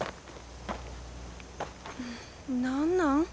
何なん？